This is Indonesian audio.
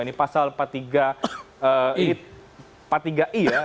ini pasal empat puluh tiga i ya